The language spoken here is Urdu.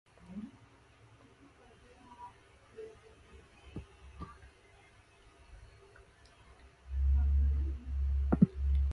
احباب چارہ سازیٴ وحشت نہ کرسکے